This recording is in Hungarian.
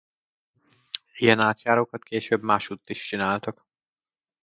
Ilyen átjárókat később másutt is csináltak.